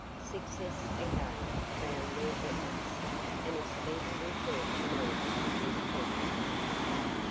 Success again crowned their efforts, and a speedy return to Melbourne was contemplated.